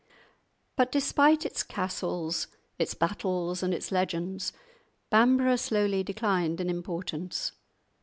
But despite its castle, its battles, and its legends, Bamburgh slowly declined in importance.